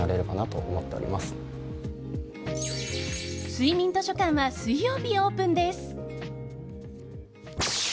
睡眠図書館は水曜日オープンです。